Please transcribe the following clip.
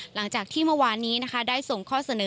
หลังจากที่เมื่อวานนี้นะคะได้ส่งข้อเสนอ